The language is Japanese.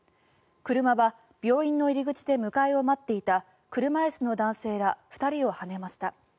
車は病院の入り口で迎えを待っていた車椅子の男性ら２人をはねました。